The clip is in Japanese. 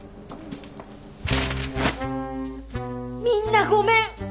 みんなごめん。